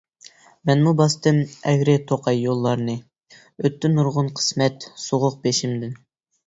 مەنمۇ باستىم ئەگرى-توقاي يوللارنى، ئۆتتى نۇرغۇن قىسمەت، سوغۇق بېشىمدىن.